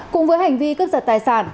cùng với hành vi cướp giật tài sản